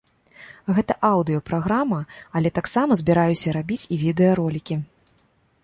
Гэта аўдыё-праграма, але таксама збіраюся рабіць і відэа ролікі.